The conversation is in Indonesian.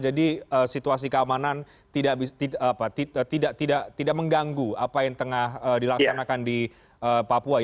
jadi situasi keamanan tidak mengganggu apa yang tengah dilaksanakan di papua